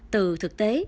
từ thực tế